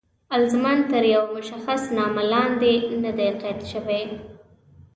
الزاماً تر یوه مشخص نامه لاندې نه دي قید شوي.